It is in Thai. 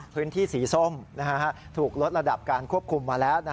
พื้นที่สีส้มถูกลดระดับการควบคุมมาแล้ว